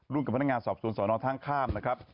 กับพนักงานสอบสวนสอนอท่างข้ามนะครับ